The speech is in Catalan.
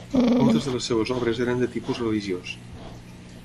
Moltes de les seves obres eren de tipus religiós.